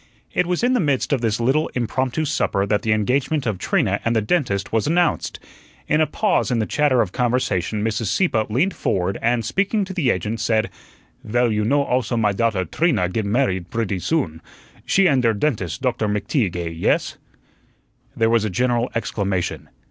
It was in the midst of this little impromptu supper that the engagement of Trina and the dentist was announced. In a pause in the chatter of conversation Mrs. Sieppe leaned forward and, speaking to the agent, said: "Vell, you know also my daughter Trina get married bretty soon. She and der dentist, Doktor McTeague, eh, yes?" There was a general exclamation.